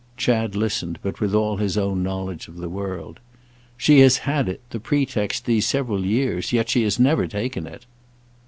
Chad listened, but with all his own knowledge of the world. "She has had it, the pretext, these several years, yet she has never taken it."